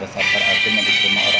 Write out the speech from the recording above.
di sekolah baru dikoneksi di sekolah baru